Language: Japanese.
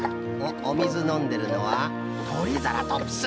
おみずのんでるのはトリザラトプス。